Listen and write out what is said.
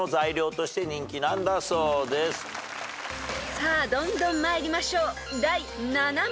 ［さあどんどん参りましょう］